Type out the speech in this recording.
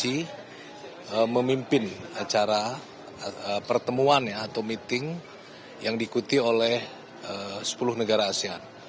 jadi memimpin acara pertemuan atau meeting yang diikuti oleh sepuluh negara asean